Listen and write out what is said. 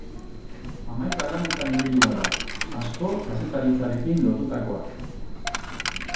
Hamaika lanetan ibilia da, asko kazetaritzarekin lotutakoak.